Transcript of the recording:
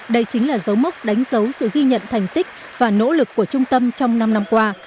đây chính là dấu mốc đánh dấu sự ghi nhận thành tích và nỗ lực của trung tâm trong năm năm qua